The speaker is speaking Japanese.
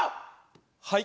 はい。